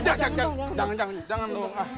jangan jangan jangan